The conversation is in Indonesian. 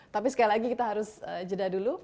tapi sekali lagi kita harus jeda dulu